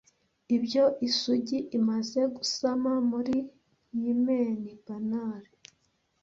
ibyo isugi imaze gusama muri hymen banal